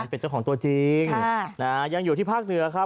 เป็นเจ้าของตัวจริงยังอยู่ที่ภาคเหนือครับ